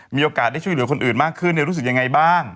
มีโอกาสได้ช่วยเหลือคนอื่นมากขึ้นรู้สึกยังไงบ้าง